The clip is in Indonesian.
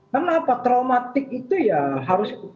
karena apa traumatik itu ya harus kita